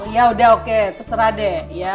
ya udah oke terserah deh